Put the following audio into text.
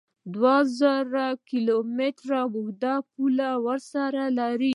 دوه زره کیلو متره اوږده پوله ورسره لري